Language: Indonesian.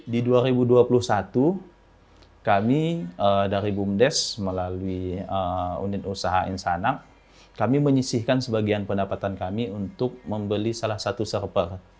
di dua ribu dua puluh satu kami dari bumdes melalui unit usaha insanak kami menyisihkan sebagian pendapatan kami untuk membeli salah satu server